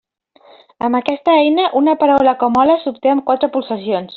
Amb aquesta eina, una paraula com hola s'obté amb quatre pulsacions.